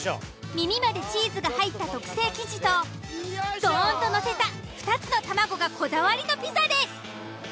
耳までチーズが入った特製生地とドーンとのせた２つの卵がこだわりのピザです。